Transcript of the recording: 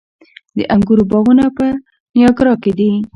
د انګورو باغونه په نیاګرا کې دي.